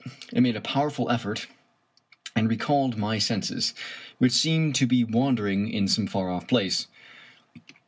I made a pow erful effort and recalled my senses, which seemed to be wandering in some far off place.